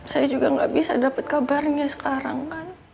saya juga gak bisa dapet kabarnya sekarang